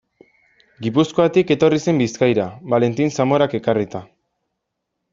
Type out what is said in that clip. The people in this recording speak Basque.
Gipuzkoatik etorri zen Bizkaira, Valentin Zamorak ekarrita.